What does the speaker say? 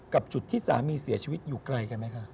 กับจุดที่สามีเสียชีวิตอยู่ไกลกันไหมคะ